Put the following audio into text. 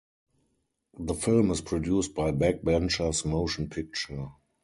The film is produced by Back Benchers Motion Picture.